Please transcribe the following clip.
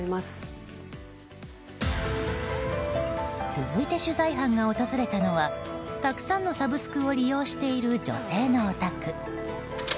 続いて取材班が訪れたのはたくさんのサブスクを利用している女性のお宅。